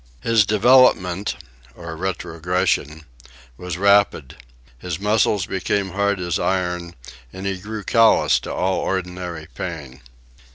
His development (or retrogression) was rapid. His muscles became hard as iron, and he grew callous to all ordinary pain.